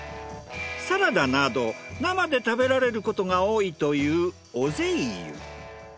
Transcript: サラダなど生で食べられることが多いというオゼイユ。